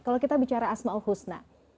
kalau kita bicara asma'ul husna